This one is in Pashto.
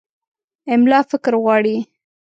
املا فکر غواړي.